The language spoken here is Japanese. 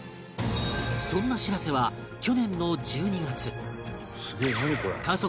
そんなしらせは去年の１２月